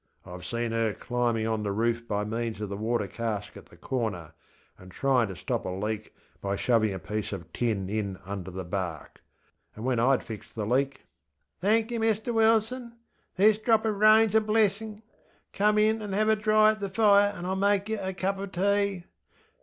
IŌĆÖve seen her climbing on the roof by means of the water cask at the corner, and trying to stop a leak by shoving a piece of tin in under the bark. And when IŌĆÖd fixed the leakŌĆö ŌĆśThenk yer, Mr Wilson. This drop of rainŌĆÖs a blessinŌĆÖ! Come in and have a dry at the fire and IŌĆÖll make yer a cup of tea.